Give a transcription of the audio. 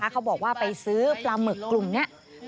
เขาบอกว่าไปซื้อปลาหมึกกลุ่มนี้